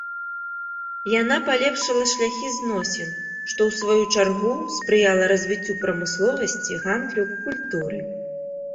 Яна палепшыла шляхі зносін, што, у сваю чаргу, спрыяла развіццю прамысловасці, гандлю, культуры.